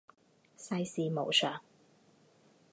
世事无常